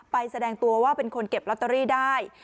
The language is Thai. แสดงตัวว่าเป็นคนเก็บลอตเตอรี่ได้